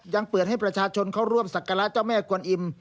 ยังเปิดให้ประชาชนเข้าร่วมศักระเจ้าแม่กวนอิ่ม